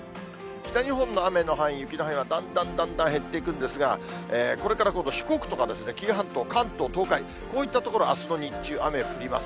北日本の雨の範囲、雪の範囲はだんだんだんだん減っていくんですが、これから今度四国とか、紀伊半島、関東、東海、こういった所、あすの日中、雨降ります。